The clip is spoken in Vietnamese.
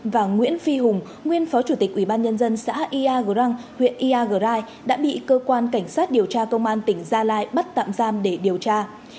và nguyễn phi hùng nguyên phó chủ tịch ủy ban nhân dân xã iagrang huyện iagrai đã bị cơ quan cảnh sát điều tra công an tỉnh gia lai bắt tạm giam để điều tra